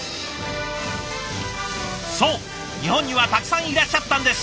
そう日本にはたくさんいらっしゃったんです。